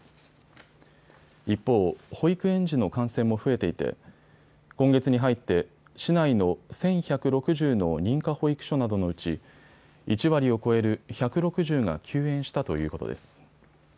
一方、保育園児の感染も増えていて今月に入って市内の１１６０の認可保育所などのうち１割を超える１６０が休園したということです。